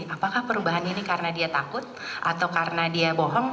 apakah perubahan ini karena dia takut atau karena dia bohong